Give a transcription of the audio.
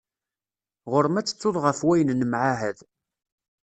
Ɣur-m ad tettuḍ ɣef wayen nemɛahad.